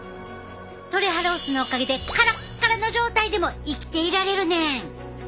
トレハロースのおかげでカラッカラの状態でも生きていられるねん。